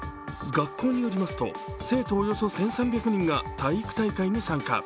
学校によりますと、生徒およそ１３００人が体育大会に参加。